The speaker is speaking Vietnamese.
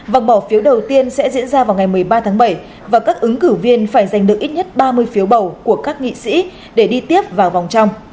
vòng bỏ phiếu đầu tiên sẽ diễn ra vào ngày một mươi ba tháng bảy và các ứng cử viên phải giành được ít nhất ba mươi phiếu bầu của các nghị sĩ để đi tiếp vào vòng trong